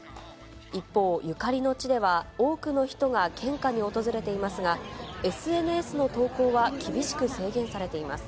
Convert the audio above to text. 一方、ゆかりの地では、多くの人が献花に訪れていますが、ＳＮＳの投稿は厳しく制限されています。